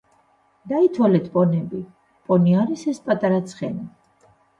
დაითვალეთ პონიები. პონი არის ეს პატარა ცხენი.